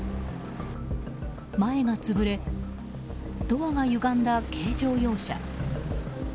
前が潰れドアがゆがんだ軽乗用車。